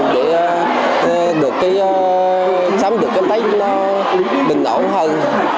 để sắm được cái tết bình ổn hơn